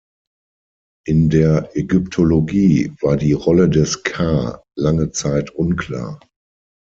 In der Ägyptologie war die Rolle des Ka lange Zeit unklar.